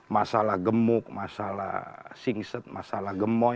masalah gemuk masalah sing set masalah gemoy